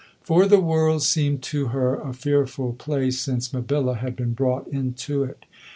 For the world seemed to her a fearful place since Mabilla had been brought into it.